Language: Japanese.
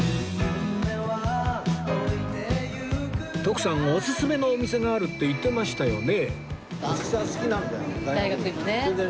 徳さんおすすめのお店があるって言ってましたよね？